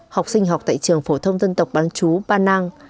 học sinh học tại trường phổ thông dân tộc bán chú pa nang